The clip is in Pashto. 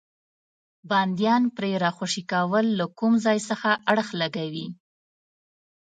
بندیان پرې راخوشي کول له کوم ځای سره اړخ لګوي.